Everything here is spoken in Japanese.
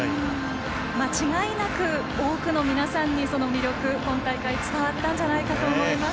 間違いなく多くの皆さんに魅力、今大会伝わったんじゃないかと思います。